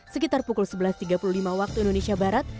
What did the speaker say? sekitar pukul sebelas tiga puluh lima waktu indonesia barat